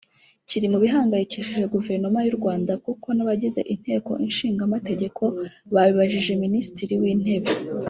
kiri mu bihangayikishije Guverinoma y’u Rwanda kuko n’abagize inteko ishinga amategeko babibajije Minisitiri w’Intebe